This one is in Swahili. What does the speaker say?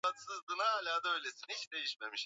eeh haina maana kwamba maanake